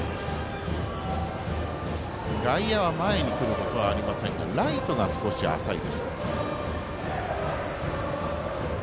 外野は前に来ることがありませんが、ライトが少し浅い。